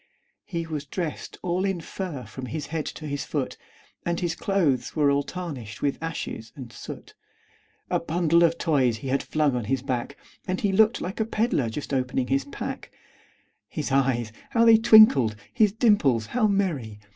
He was dressed all in fur from his head to his foot, And his clothes were all tarnished with ashes and soot; A bundle of toys he had flung on his back, And he looked like a peddler just opening his pack; His eyes how they twinkled! his dimples how merry!